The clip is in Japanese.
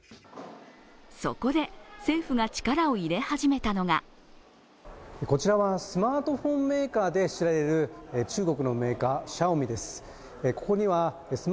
そこで政府が力を入れ始めたのがこちらはスマートフォンメーカーで知られる中国のメーカー・シャオミです。